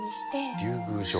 竜宮城？